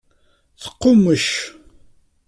Teqqummec.